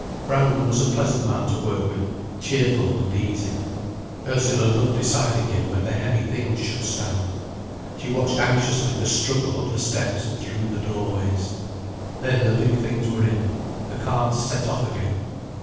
Brangwen was a pleasant man to work with, cheerful and easy. Ursula loved deciding him where the heavy things should stand. She watched anxiously the struggle up the steps and through the doorways. Then the big things were in, the carts set off again.